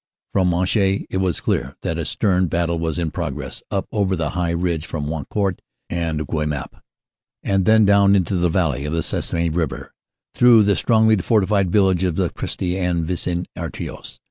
From Monchy it was clear that a stern battle was in pro gress up over the high ridge from Wancourt and Guemappe and then down into the valley of the Sensee river, through the strongly fortified villages of Cherisy and Vis en Artois.